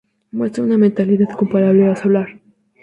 Muestra una metalicidad comparable a la solar.